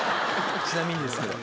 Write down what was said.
ちなみにですけど。